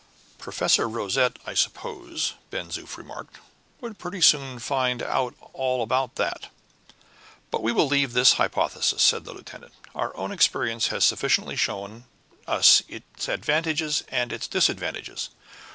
"Professor Rosette, I suppose," Ben Zoof remarked, "would pretty soon find out all about that." "But we will leave this hypothesis," said the lieutenant; "our own experience has sufficiently shown us its advantages and its disadvantages.